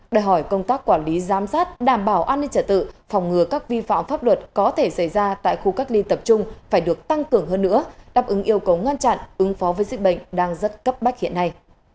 đòi hỏi công tác quản lý giám sát đảm bảo an ninh trả tự phòng ngừa các vi phạm pháp luật có thể xảy ra tại khu cách ly tập trung phải được tăng cường hơn nữa đáp ứng yêu cầu ngăn chặn ứng phó với dịch bệnh đang rất cấp bách hiện nay